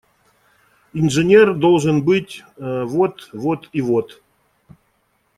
Инженер должен быть – вот… вот… и вот…